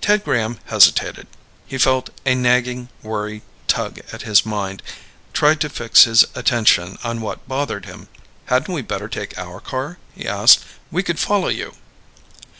Ted Graham hesitated. He felt a nagging worry tug at his mind, tried to fix his attention on what bothered him. "Hadn't we better take our car?" he asked. "We could follow you."